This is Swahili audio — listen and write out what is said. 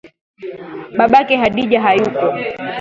Babake hadija hayuko